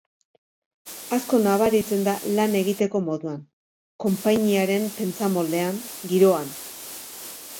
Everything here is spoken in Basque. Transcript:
Asko nabaritzen da lan egiteko moduan, konpainiaren pentsamoldean, giroan.